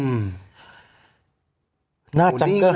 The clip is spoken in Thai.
หน้าจังเกอร์ฮาวส์โอ้โหนี่ไงนะฮะ